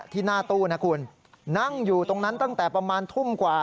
ที่หน้าตู้นะคุณนั่งอยู่ตรงนั้นตั้งแต่ประมาณทุ่มกว่า